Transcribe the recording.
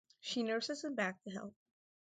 She nurses him back to health.